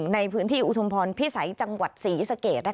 ในพื้นที่ธุมพลพิษัยจังหวัดศรีนาสเกษ